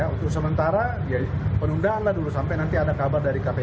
untuk sementara penundaanlah dulu sampai nanti ada kabar dari kpk